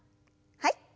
はい。